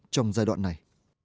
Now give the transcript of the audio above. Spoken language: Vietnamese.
trong giai đoạn này